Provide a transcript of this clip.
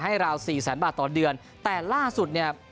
ให้ราว๔๐๐๐๐๐บาทต่อเดือนแต่ล่าสุดเนี่ย